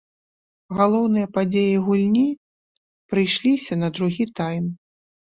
Галоўныя падзеі гульні прыйшліся на другі тайм.